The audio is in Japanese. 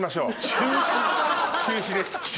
中止です。